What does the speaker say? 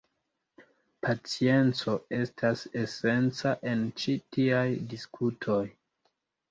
Pacienco estas esenca en ĉi tiaj diskutoj.